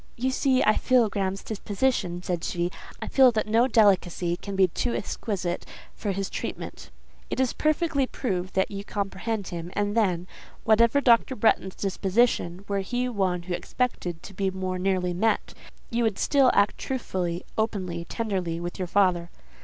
"You see I feel Graham's disposition," said she. "I feel that no delicacy can be too exquisite for his treatment." "It is perfectly proved that you comprehend him, and then—whatever Dr. Bretton's disposition, were he one who expected to be more nearly met—you would still act truthfully, openly, tenderly, with your father."